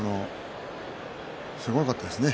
すごかったですね。